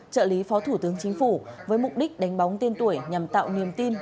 trợ lý phó thủ tướng chính phủ với mục đích đánh bóng tiên tuổi nhằm tạo niềm tin